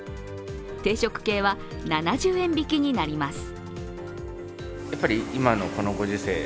定食系は７０円引きになります。